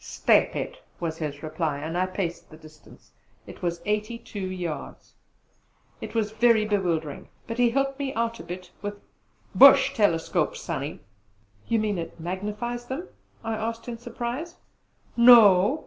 "Step it!" was his reply. I paced the distance; it was eighty two yards. It was very bewildering; but he helped me out a bit with "Bush telescopes, Sonny!" "You mean it magnifies them?" I asked in surprise. "No!